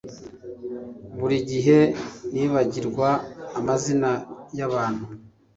Buri gihe nibagirwa amazina yabantu